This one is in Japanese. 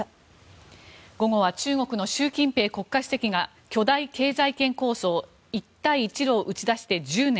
午後は中国の習近平国家主席が巨大経済圏構想、一帯一路を打ち出して１０年。